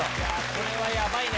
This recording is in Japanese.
これはヤバいね！